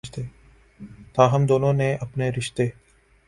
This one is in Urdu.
تاہم دونوں نے اپنے رشتے